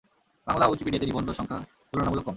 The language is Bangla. বাংলা উইকপিডিয়াতে নিবন্ধ সংখ্যা তুলনামূলক কম।